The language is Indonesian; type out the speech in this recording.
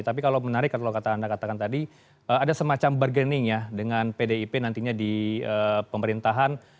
tapi kalau menarik kalau kata anda katakan tadi ada semacam bargaining ya dengan pdip nantinya di pemerintahan